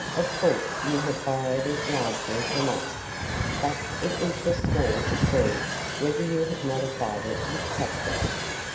Of course you have borrowed it largely from us, but it interests me to see whether you have modified it with practice.